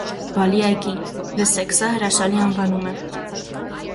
«Բալի այգի», լսեք սա հրաշալի անվանում է։